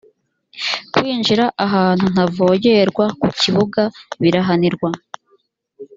kwinjira ahantu ntavogerwa ku kibuga birahanirwa